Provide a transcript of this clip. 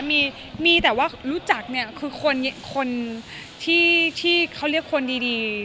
มีมีแต่ว่ารู้จักเนี่ยคือคนที่เขาเรียกคนดี